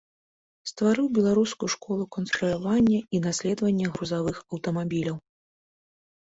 Стварыў беларускую школу канструявання і даследавання грузавых аўтамабіляў.